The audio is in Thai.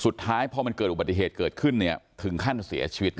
สุดท้ายพอมันเกิดอุบัติเหตุเกิดขึ้นถึงขั้นเสียชีวิต